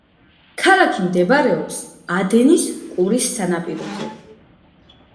ქალაქი მდებარეობს ადენის ყურის სანაპიროზე.